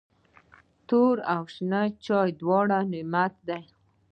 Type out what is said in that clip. توري او شنې چايي دواړه نعمت دی.